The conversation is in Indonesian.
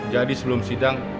jadi sebelum sidang